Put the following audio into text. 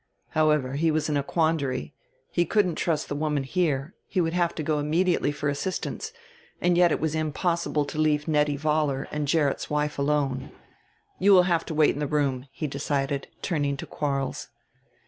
However he was in a quandary he couldn't trust the woman here, he would have to go immediately for assistance, and yet it was impossible to leave Nettie Vollar and Gerrit's wife alone. "You will have to wait in the room," he decided, turning to Quarles.